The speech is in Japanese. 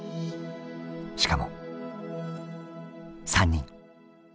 しかも３人！